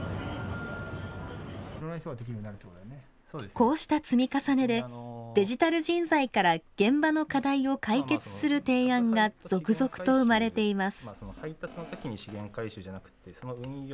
こうした積み重ねでデジタル人材から現場の課題を解決する提案が続々と生まれています。